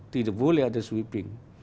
tidak boleh ada sweeping